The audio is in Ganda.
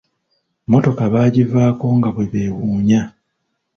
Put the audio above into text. Motoka baagivaako nga bwe beewunya.